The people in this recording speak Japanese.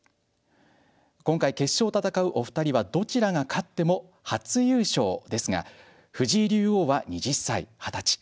今回決勝を戦うお二人はどちらが勝っても初優勝ですが藤井竜王は２０歳二十歳。